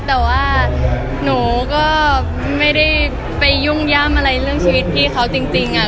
แต่ว่าหนูก็ไม่ได้ไปยุ่งย่ำอะไรเรื่องชีวิตพี่เขาจริงอะ